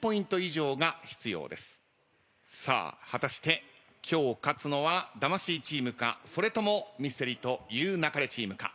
さあ果たして今日勝つのは魂チームかそれともミステリと言う勿れチームか。